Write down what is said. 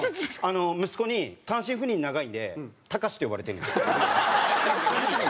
息子に単身赴任長いんで「タカシ」って呼ばれてるんです。